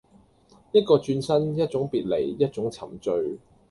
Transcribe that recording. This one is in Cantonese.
一個轉身，一種別離，一種沉醉